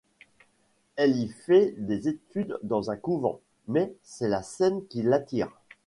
Elle y fait des études dans un couvent, mais c'est la scène qui l'attire.